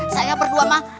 saya berdua ma